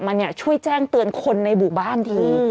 มันช่วยแจ้งเตือนคนในบู่บ้านดี